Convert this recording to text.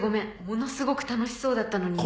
ものすごく楽しそうだったのに。